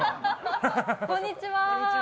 こんにちは。